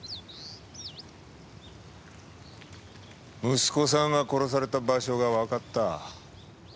息子さんが殺された場所がわかった。